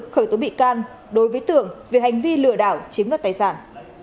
khởi tố bị can đối với tường vì hành vi lừa đảo chiếm đất tài sản